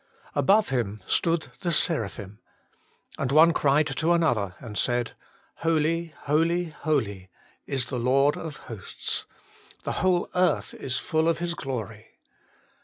Above Him stood the seraphim. And one cried to another, and said, Holy, holy, holy is the Lord of hosts : the whole earth is full of His glory.'